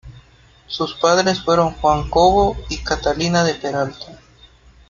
Sus padres fueron Juan Cobo y Catalina de Peralta.